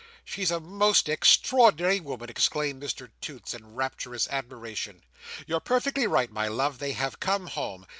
"She's a most extraordinary woman!" exclaimed Mr Toots, in rapturous admiration. "You're perfectly right, my love, they have come home.